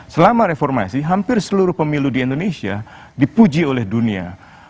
selama reformasi hampir seluruh pemilu di indonesia dipuji oleh dunia